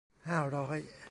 ห้าร้อย